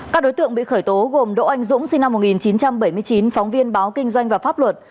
các đối tượng bị khởi tố gồm đỗ anh dũng sinh năm một nghìn chín trăm bảy mươi chín phóng viên báo kinh doanh và pháp luật